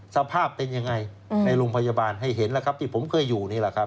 สภาพเป็นยังไงในโรงพยาบาลให้เห็นแล้วครับที่ผมเคยอยู่นี่แหละครับ